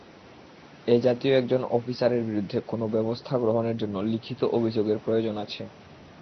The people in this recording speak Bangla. এ জাতীয় একজন অফিসারের বিরুদ্ধে কোনো ব্যবস্থা গ্রহণের জন্যে লিখিত অভিযোগের প্রয়োজন আছে।